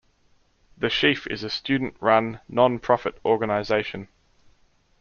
"The Sheaf" is a student-run non-profit organization.